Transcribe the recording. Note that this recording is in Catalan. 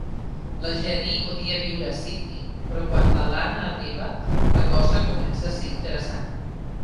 La Jenny odia viure a Sidney, però quan l'Alana arriba la cosa comença a ser interessant.